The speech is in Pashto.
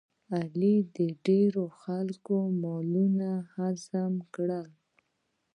علي د ډېرو خلکو مالونه هضم کړل.